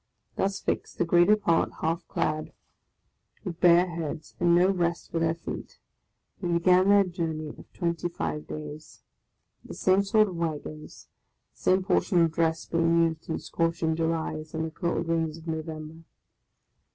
Thus fixed, the greater part half clad, with bare heads, and no rest for their feet, they begin their jour ney of twenty five days ; the same sort of wagons, the same portion of dress being used in scorching July as in the cold rains of November.